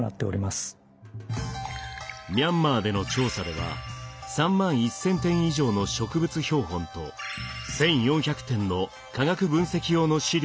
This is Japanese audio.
ミャンマーでの調査では３万１，０００点以上の植物標本と１，４００点の化学分析用の試料を採集。